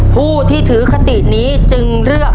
ผู้ที่ถือคตินี้จึงเลือก